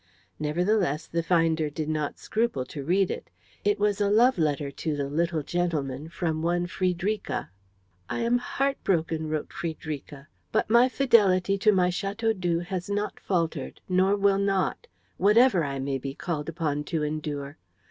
Nevertheless, the finder did not scruple to read it. It was a love letter to the little gentleman from one Friederika. "I am heart broken," wrote Friederika, "but my fidelity to my Chateaudoux has not faltered, nor will not, whatever I may be called upon to endure.